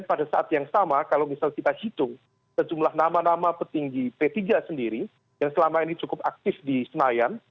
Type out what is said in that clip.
pada saat yang sama kalau misal kita hitung sejumlah nama nama petinggi p tiga sendiri yang selama ini cukup aktif di senayan